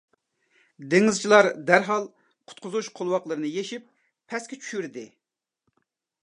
دېڭىزچىلار دەرھال قۇتقۇزۇش قولۋاقلىرىنى يېشىپ پەسكە چۈشۈردى،